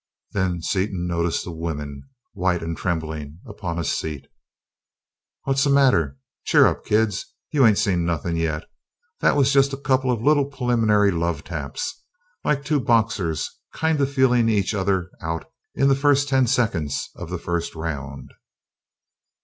Then Seaton noticed the women, white and trembling, upon a seat. "'Smatter? Cheer up, kids, you ain't seen nothing yet. That was just a couple of little preliminary love taps, like two boxers kinda feeling each other out in the first ten seconds of the first round."